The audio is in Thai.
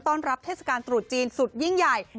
ต้อนรับเทศกาลตรุษจีนสุดยิ่งใหญ่